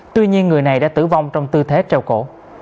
tuy nhiên người này đã tử vong trong tư thế treo cổ